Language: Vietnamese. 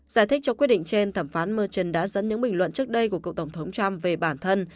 giải thích cho quyết định trên thẩm phán merchon đã dẫn những bình luận trước đây của cựu tổng thống trump về bản thân